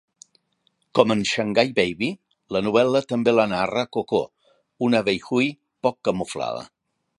Com en "Shanghai Baby", la novel·la també la narra Coco, una Wei Hui poc camuflada.